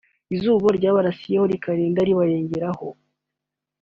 izuba ryabarasiragaho rikarinda ribarengeraho